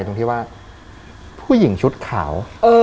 ตรงที่ว่าผู้หญิงชุดขาว